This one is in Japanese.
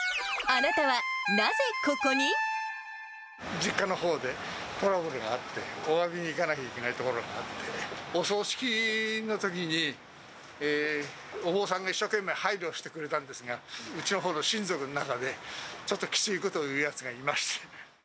あなたはなぜココに？実家のほうでトラブルがあって、おわびに行かなきゃいけない所があって、お葬式のときに、お坊さんが一生懸命、配慮してくれたんですが、うちのほうの親族の中で、ちょっときついことを言うやつがいまして。